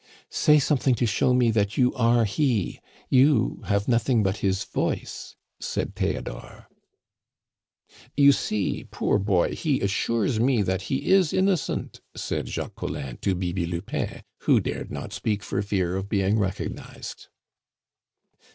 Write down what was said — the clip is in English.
"Say something to show me that you are he; you have nothing but his voice," said Theodore. "You see, poor boy, he assures me that he is innocent," said Jacques Collin to Bibi Lupin, who dared not speak for fear of being recognized.